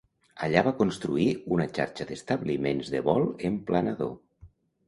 Allà va construir una xarxa d'establiments de vol en planador.